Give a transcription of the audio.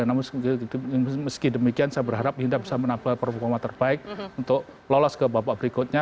namun meski demikian saya berharap hinda bisa menambah performa terbaik untuk lolos ke babak berikutnya